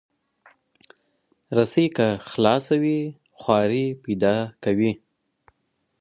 رسۍ که خلاصه وي، خواری پیدا کوي.